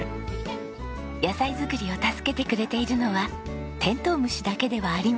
野菜作りを助けてくれているのはテントウムシだけではありません。